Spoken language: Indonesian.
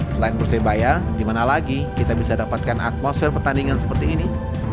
selain persebaya dimana lagi bisa kita dapatkan atmosfer pertandingan seperti ini